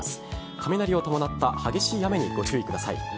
雷を伴った激しい雨にご注意ください。